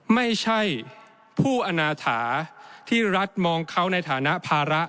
ไม่ใช่ผู้อนาถาที่รัฐมองเขาในฐานะภาระ